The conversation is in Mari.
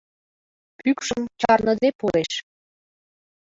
Пӱкшым чарныде пуреш.